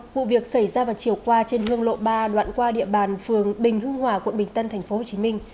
vụ việc xảy ra vào chiều qua trên hương lộ ba đoạn qua địa bàn phường bình hương hòa quận bình tân tp hcm